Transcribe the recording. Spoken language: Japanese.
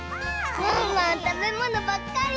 ワンワンたべものばっかり！